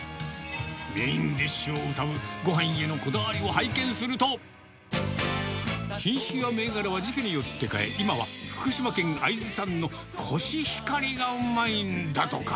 メインディッシュをうたうごはんへのこだわりを拝見すると、品種や銘柄は時期によって変え、今は、福島県会津産のコシヒカリがうまいんだとか。